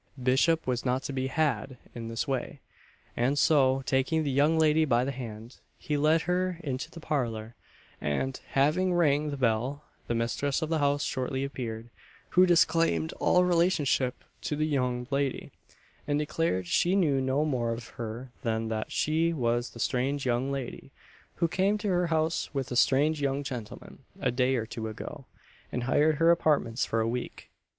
Bishop was not to be had in this way; and so, taking the young lady by the hand, he led her into the parlour, and, having rang the bell, the mistress of the house shortly appeared, who disclaimed all relationship to the young lady, and declared she knew no more of her than that she was the "strange young lady" who came to her house with a "strange young gentleman" a day or two ago, and hired her apartments for a week.